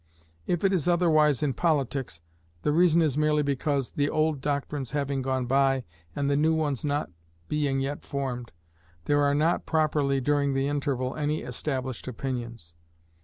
If it is otherwise in politics, the reason is merely because, the old doctrines having gone by and the new ones not being yet formed, there are not properly, during the interval, any established opinions."